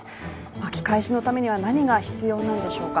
巻き返しのためには何が必要なんでしょうか。